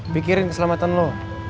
pikirin keselamatan lo